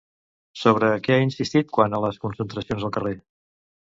Sobre què ha insistit quant a les concentracions al carrer?